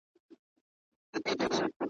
ستا په نوم به معبدونه ابادېږي ,